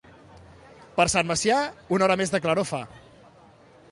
Per Sant Macià, una hora més de claror fa.